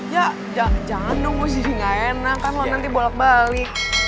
ya jangan nunggu jadi gak enak kan lo nanti bolak balik